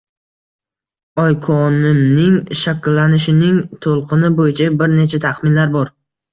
Oykonimning shakllanishining talqini bo‘yicha bir necha taxminlar bor: